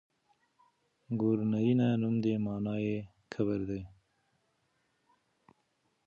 ګور نرينه نوم دی مانا يې کبر دی.